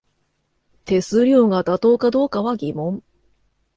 手数料が妥当かどうかは疑問